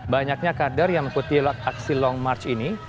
banyaknya kader yang mengikuti aksi long march ini